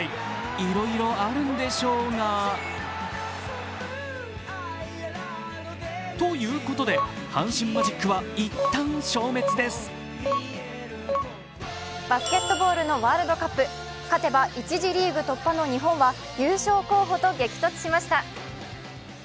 いろいろあるんでしょうがバスケットボールのワールドカップ、勝てば１次リーグ突破の日本は優勝候補と激突しました。